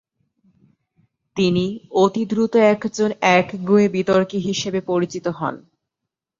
তিনি অতি দ্রুত একজন একগুঁয়ে বিতর্কী হিসেবে পরিচিত হন।